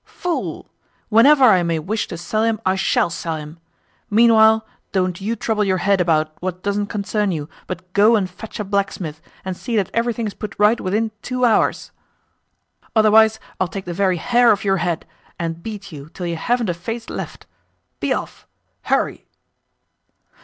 "Fool! Whenever I may wish to sell him I SHALL sell him. Meanwhile, don't you trouble your head about what doesn't concern you, but go and fetch a blacksmith, and see that everything is put right within two hours. Otherwise I will take the very hair off your head, and beat you till you haven't a face left. Be off! Hurry!"